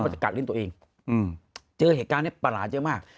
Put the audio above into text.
เหรอเอาจริงเจอเหตุการณ์ปะหลากที่มาก